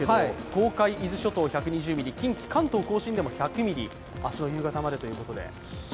東海・伊豆諸島１２０ミリ、関東甲信も１００ミリということで明日の夕方までということで。